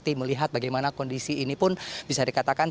kita bisa melihat bagaimana kondisi ini pun bisa dikatakan